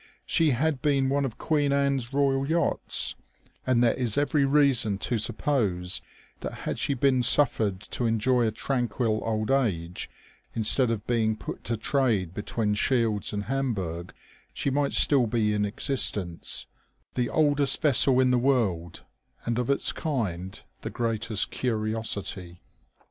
She had been one of Queen Anne's royal yachts, and there is every reason to suppose that had she been suffered to enjoy a tranquil old age instead of being put to trade between Shields and Hamburg she might still be in existence, the oldest vessel in the world, and of its kind the greatest curiosity.